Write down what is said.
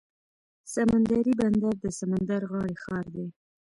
سمندري بندر د سمندر غاړې ښار دی.